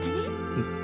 うん。